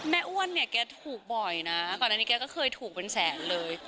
อ้วนเนี่ยแกถูกบ่อยนะก่อนอันนี้แกก็เคยถูกเป็นแสนเลย